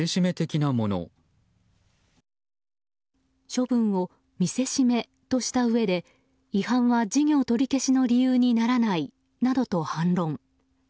処分を見せしめとしたうえで違反は事業取り消しの理由にならないなどと反論。